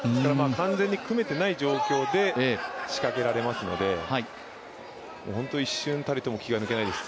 完全に組めていない状況で仕掛けられますので、本当に一瞬たりとも気が抜けないです。